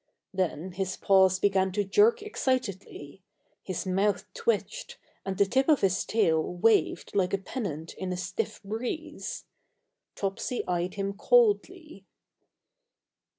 Then his paws began to jerk excitedly; his mouth twitched, and the tip of his tail waved like a pennant in a stiff breeze. Topsy eyed him coldly.